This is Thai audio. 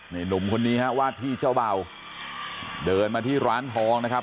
นี่หนุ่มคนนี้ฮะวาดที่เจ้าเบาเดินมาที่ร้านทองนะครับ